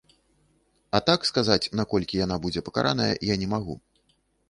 А так сказаць, на колькі яна будзе пакараная, я не магу.